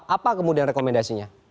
apa kemudian rekomendasinya